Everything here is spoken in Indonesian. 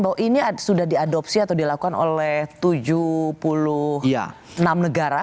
bahwa ini sudah diadopsi atau dilakukan oleh tujuh puluh enam negara